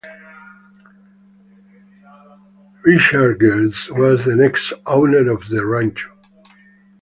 Richard Gird was the next owner of the Rancho.